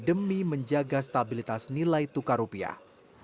untuk menilai tukar rupiah